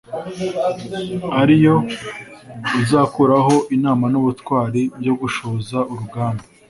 ari yo uzakuraho inama n’ubutwari byo gushoza urugamba ?